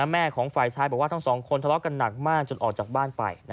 แม่ของฝ่ายชายบอกว่าทั้งสองคนทะเลาะกันหนักมากจนออกจากบ้านไป